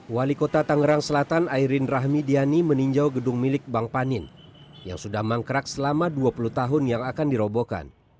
wali kota tangerang selatan airin rahmidiani meninjau gedung milik bank panin yang sudah mangkrak selama dua puluh tahun yang akan dirobohkan